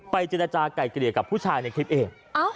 เจรจาไก่เกลี่ยกับผู้ชายในคลิปเอง